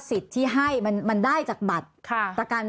สิทธิให้มันได้จากหมักตะกัน